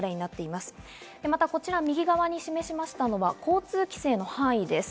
またこちら右側に示しましたのは交通規制の範囲です。